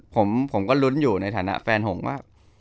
ผมก็ลุ้นอยู่ในฐานะแฟนผมว่า